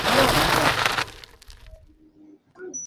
El as en la manga del equipo es el Battle Fever Robo.